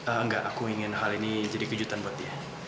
enggak aku ingin hal ini jadi kejutan buat dia